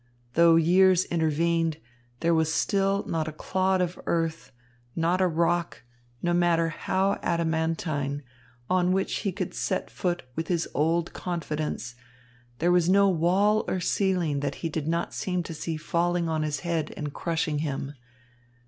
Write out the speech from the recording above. Though years intervened, there was still not a clod of earth, not a rock, no matter how adamantine, on which he could set foot with his old confidence; there was no wall or ceiling that he did not seem to see falling on his head and crushing him.